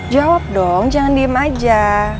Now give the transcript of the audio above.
jawab dong jangan diem aja